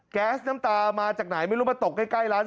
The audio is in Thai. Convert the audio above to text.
แก๊สน้ำตามาจากไหนไม่รู้มาตกใกล้ร้าน